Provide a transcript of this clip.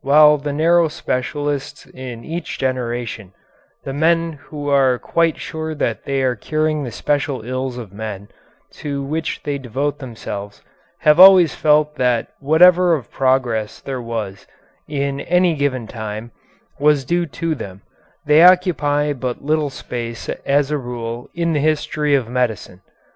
While the narrow specialists in each generation, the men who are quite sure that they are curing the special ills of men to which they devote themselves, have always felt that whatever of progress there was in any given time was due to them, they occupy but little space as a rule in the history of medicine.